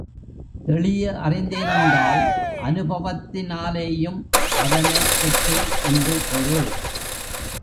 தெளிய அறிந்தேன் என்றால் அநுபவத்தினாலேயும் அதனைப் பெற்றேன் என்று பொருள்.